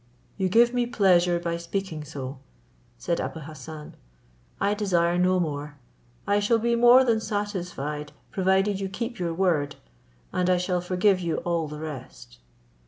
"You give me pleasure by speaking so," said Abou Hassan; "I desire no more; I shall be more than satisfied provided you keep your word, and I shall forgive you all the rest."